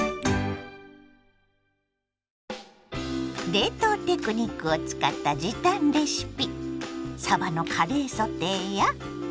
冷凍テクニックを使った時短レシピ。